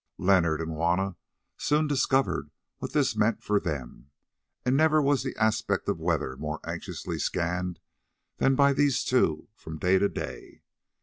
Leonard and Juanna soon discovered what this meant for them, and never was the aspect of weather more anxiously scanned than by these two from day to day.